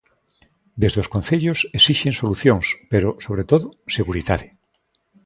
Desde os concellos esixen solucións pero, sobre todo, seguridade.